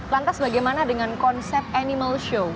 lantas bagaimana dengan konsep animal show